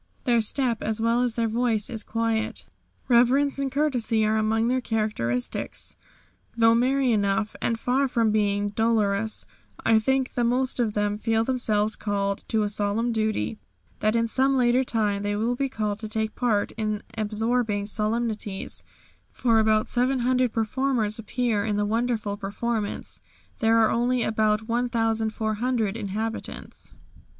Their step, as well as their voice, is quiet. Reverence and courtesy are among their characteristics. Though merry enough, and far from being dolorous, I think the most of them feel themselves called to a solemn duty, that in some later time they will be called to take part in absorbing solemnities, for about 700 performers appear in the wonderful performance; there are only about 1,400 inhabitants.